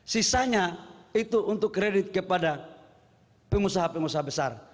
sisanya itu untuk kredit kepada pengusaha pengusaha besar